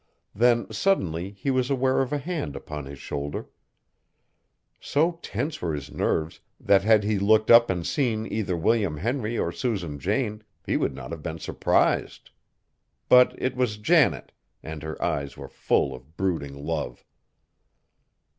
Then, suddenly, he was aware of a hand upon his shoulder. So tense were his nerves that had he looked up and seen either William Henry or Susan Jane, he would not have been surprised. But it was Janet, and her eyes were full of brooding love.